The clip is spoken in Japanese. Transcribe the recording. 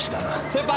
先輩！